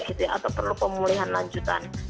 tidak gitu ya atau perlu pemulihan lanjutan